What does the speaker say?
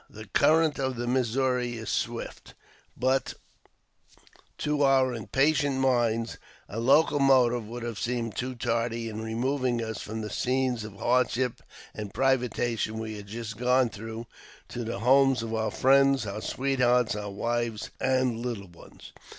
The current of the Missouri is swift, but to our impatient minds a locomotive would have seemed too tardy in removing us from the scenes of hardship and privation we had just gone through to the homes of our friends, our sweethearts, our wives and little ones.